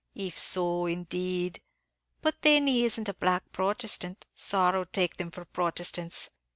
If so, indeed! but then isn't he a black Protestant, sorrow take them for Protestants!